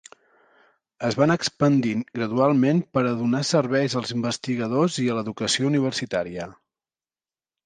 Es va anar expandint gradualment per a donar serveis als investigadors i a l'educació universitària.